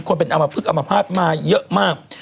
คนเป็นอัมภาพมาเยอะมาก